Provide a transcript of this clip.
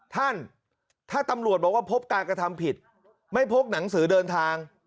ท่านถ้าตำรวจบอกว่าพบการกระทำผิดไม่พกหนังสือเดินทาง